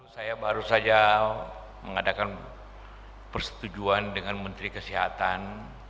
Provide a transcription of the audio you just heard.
saya baru saja mengadakan persetujuan dengan menteri kesehatan